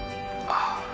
ああ。